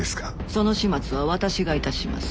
その始末は私が致します。